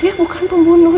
dia bukan pembunuh